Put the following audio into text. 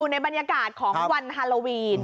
ในบรรยากาศของวันฮาโลวีน